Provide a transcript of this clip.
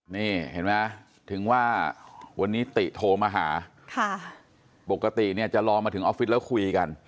นี่เห็นไหมถึงว่าวันนี้ติโทรมาหาปกติเนี่ยจะรอมาถึงออฟฟิศแล้วคุยกัน